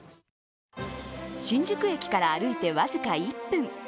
新宿駅から歩いて僅か１分。